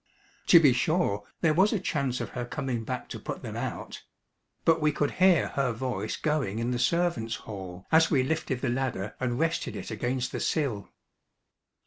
To be sure there was a chance of her coming back to put them out; but we could hear her voice going in the servants' hall as we lifted the ladder and rested it against the sill.